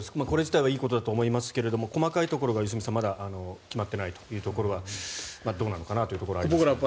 これ自体はいいことだと思いますが細かいところが良純さん、まだ決まっていないというところはどうなのかなというところがありますが。